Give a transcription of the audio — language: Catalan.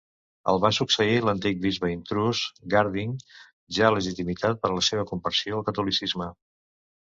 El va succeir l'antic bisbe intrús Garding, ja legitimitat per la seva conversió al catolicisme.